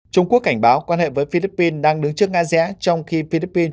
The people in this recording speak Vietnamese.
trung quốc cảnh báo quan hệ với philippines đang đứng trước nga dẽ trong khi philippines